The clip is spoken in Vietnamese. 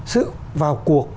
sự vào cuộc